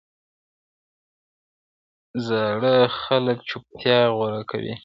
زاړه خلک چوپتيا غوره کوي,